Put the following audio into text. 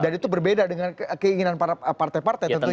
dan itu berbeda dengan keinginan partai partai tentunya